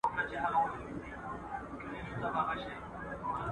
ساحه مو له نږدې وڅارئ او یاداښتونه واخلئ.